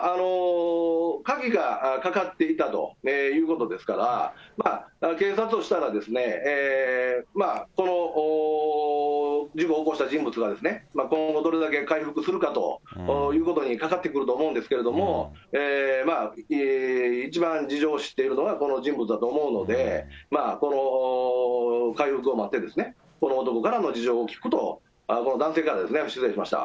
鍵がかかっていたということですから、警察としたら、この事故を起こした人物が今後、どれだけ回復するかということにかかってくると思うんですけれども、一番事情を知っているのがこの人物だと思うので、この回復を待って、この男からの事情を聴くことを、この男性からですね、失礼しました。